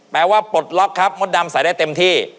ปลดล็อกครับมดดำใส่ได้เต็มที่